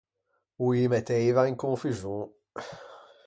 O î metteiva in confuxon.